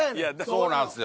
そうなんすよ。